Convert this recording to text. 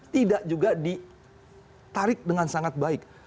tidak juga ditarik dengan sangat baik